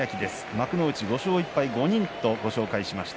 幕内５勝１敗５人とご紹介しました。